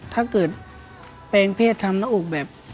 ถ้าเกิดแปลงเพศทำหน้าอกแบบ